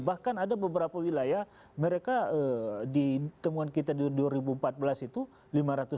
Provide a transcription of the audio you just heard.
bahkan ada beberapa wilayah mereka di temuan kita di dua ribu empat belas itu lima ratus